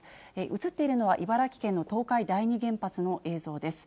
写っているのは、茨城県の東海第二原発の映像です。